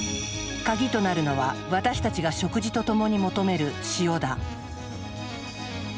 鍵となるのは私たちが食事とともに求める塩だ。